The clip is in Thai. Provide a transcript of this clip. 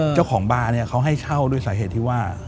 เจ้าของบาร์เนี่ยเขาให้เช่าด้วยสาเหตุที่ว่า